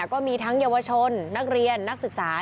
ก็มีทั้งเยาวชนนักเรียนนักศึกษา